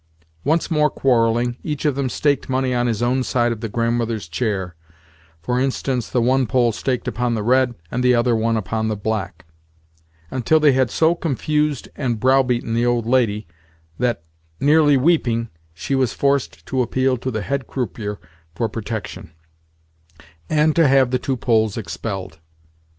Once more quarrelling, each of them staked money on his own side of the Grandmother's chair (for instance, the one Pole staked upon the red, and the other one upon the black), until they had so confused and browbeaten the old lady that, nearly weeping, she was forced to appeal to the head croupier for protection, and to have the two Poles expelled.